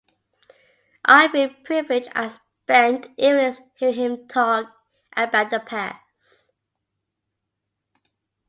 I feel privileged I spent evenings hearing him talk about the past.